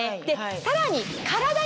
さらに。